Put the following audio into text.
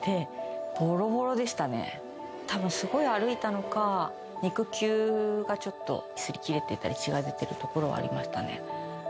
たぶんすごい歩いたのか肉球がちょっと擦り切れていたり血が出てるところはありましたね。